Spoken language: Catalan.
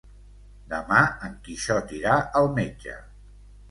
Demà en Quixot irà al metge.